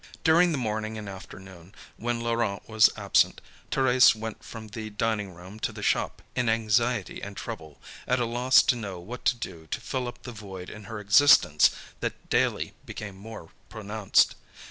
During the morning and afternoon, when Laurent was absent, Thérèse went from the dining room to the shop in anxiety and trouble, at a loss to know what to do to fill up the void in her existence that daily became more pronounced.